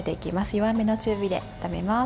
弱めの中火で温めます。